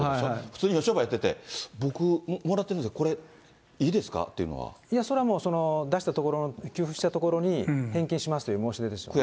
普通にお商売やってて、僕、もらってるんですけど、これ、いいでいやそれはもう、出したところ、給付した所に返金しますと申し出します。